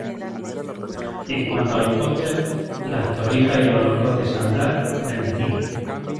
En cuanto a los postres, las torrijas y los roscos de San Blas, bendecidas.